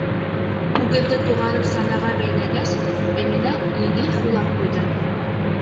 Үгеҙҙе туғарып санаға бәйләгәс, Әминә еңел һулап ҡуйҙы.